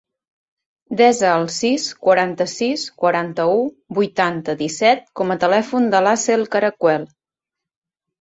Desa el sis, quaranta-sis, quaranta-u, vuitanta, disset com a telèfon de l'Aseel Caracuel.